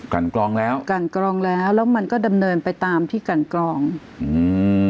กันกรองแล้วกันกรองแล้วแล้วมันก็ดำเนินไปตามที่กันกรองอืม